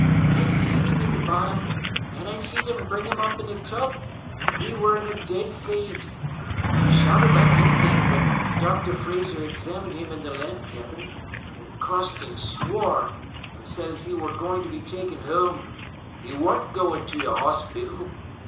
"I seed him at th' bottom. An' I seed 'em bring 'im up in a tub, an' 'e wor in a dead faint. But he shouted like anythink when Doctor Fraser examined him i' th' lamp cabin—an' cossed an' swore, an' said as 'e wor goin' to be ta'en whoam—'e worn't goin' ter th' 'ospital."